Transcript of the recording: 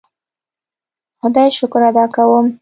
خدای شکر ادا کوم.